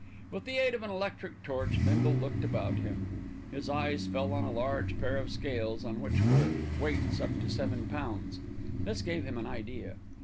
With the aid of an electric torch, Bindle looked about him. His eyes fell on a large pair of scales, on which were weights up to 7 lbs. This gave him an idea.